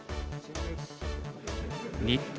日本